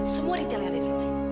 semua di jalan